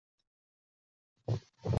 作品多由建阳余氏书坊承印。